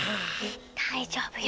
大丈夫よ。